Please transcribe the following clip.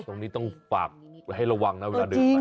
ตรงนี้ต้องฝากให้ระวังนะออกเยอะมาก